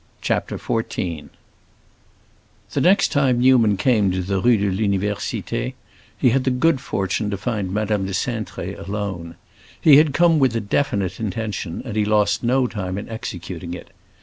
CHAPTER XIV The next time Newman came to the Rue de l'Université he had the good fortune to find Madame de Cintré alone. He had come with a definite intention, and he lost no time in executing it.